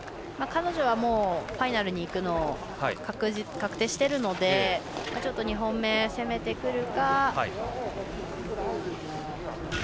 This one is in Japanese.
彼女はファイナルに行くの確定しているのでちょっと２本目攻めてくるか。